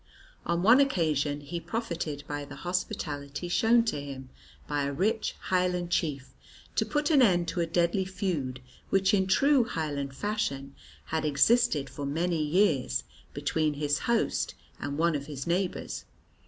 On one occasion he profited by the hospitality shown to him by a rich Highland chief to put an end to a deadly feud which in true Highland fashion had existed for many years between his host and one of his neighbours.